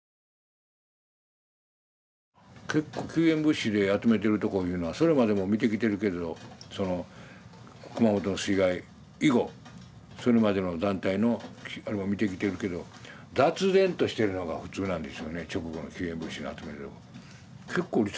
結構救援物資で集めてるとこいうのはそれまでも見てきてるけど熊本の水害以後それまでの団体のあれも見てきてるけど雑然としてるのが普通なんですよね直後の救援物資を集めるとこ。